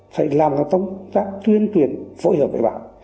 phải làm các cái chuyên truyền phối hợp với bản